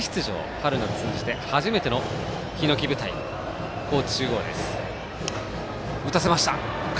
春夏通じて、初めてのひのき舞台高知中央です。